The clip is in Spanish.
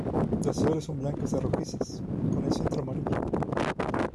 Las flores son blancas a rojizas, con el centro amarillo.